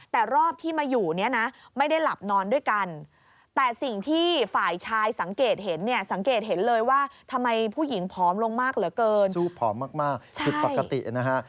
ผสมมากผิดปกตินะฮะ